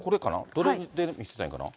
どれを見せたらいいかな。